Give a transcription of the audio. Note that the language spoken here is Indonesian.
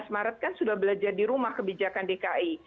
lima belas maret kan sudah belajar di rumah kebijakan dki